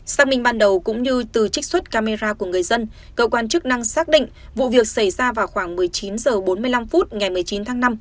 xác minh ban đầu cũng như từ trích xuất camera của người dân cơ quan chức năng xác định vụ việc xảy ra vào khoảng một mươi chín h bốn mươi năm phút ngày một mươi chín tháng năm